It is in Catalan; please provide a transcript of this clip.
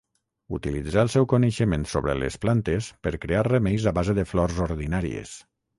Utilitzà el seu coneixement sobre les plantes per crear remeis a base de flors ordinàries.